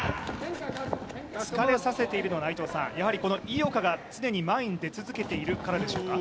疲れさせているのは、井岡が常に前に出続けているからでしょうか？